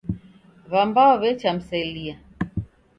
W'ambao w'echamselia.